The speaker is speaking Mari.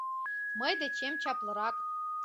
Мый дечем чаплырак.